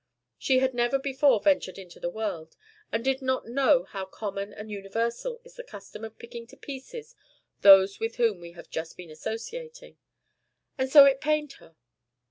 She had never before ventured into the world, and did not know how common and universal is the custom of picking to pieces those with whom we have just been associating; and so it pained her.